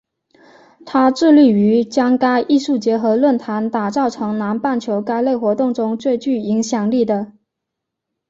它致力于将该艺术节和论坛打造成南半球该类活动中最具影响力的。